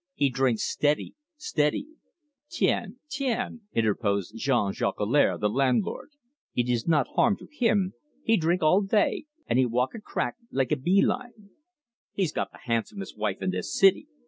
"He drinks steady steady." "Tiens tiens!" interposed Jean Jolicoeur, the landlord. "It is not harm to him. He drink all day, an' he walk a crack like a bee line." "He's got the handsomest wife in this city.